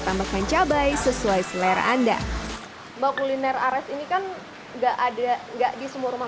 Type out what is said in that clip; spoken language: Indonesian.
tambahkan cabai sesuai selera anda bahwa kuliner ares ini kan enggak ada enggak di semua rumah